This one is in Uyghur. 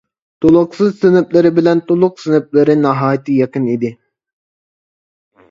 تولۇقسىز سىنىپلىرى بىلەن تولۇق سىنىپلىرى ناھايىتى يېقىن ئىدى.